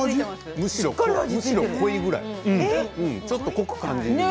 むしろ濃いぐらいちょっと、少し濃く感じる。